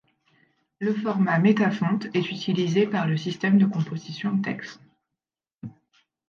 Le format Metafont est utilisé par le système de composition TeX.